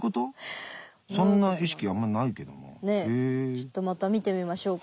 ちょっとまた見てみましょうか。